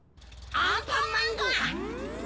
アンパンマンごう！